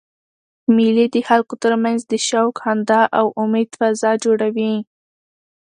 مېلې د خلکو ترمنځ د شوق، خندا او امېد فضا جوړوي.